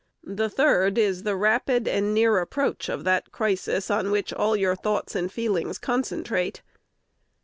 The third is _the rapid and near approach of that crisis on which all your thoughts and feelings concentrate.